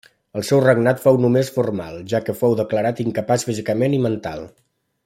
El seu regnat fou només formal, ja que fou declarat incapaç físicament i mental.